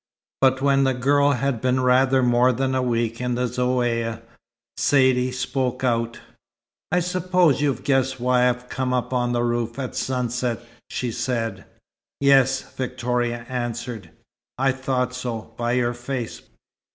But when the girl had been rather more than a week in the Zaouïa, Saidee spoke out. "I suppose you've guessed why I come up on the roof at sunset," she said. "Yes," Victoria answered. "I thought so, by your face.